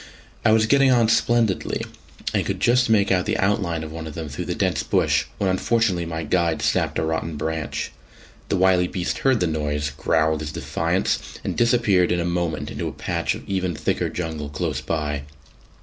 I was getting on splendidly, and could just make out the outline of one of them through the dense bush, when unfortunately my guide snapped a rotten branch. The wily beast heard the noise, growled his defiance, and disappeared in a moment into a patch of even thicker jungle close by.